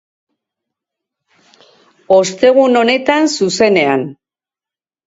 Ostegun honetan, zuzenean.